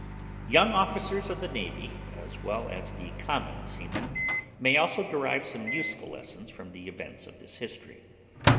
Young officers of the navy, as well as the common seamen, may also derive some useful lessons from the events of this history.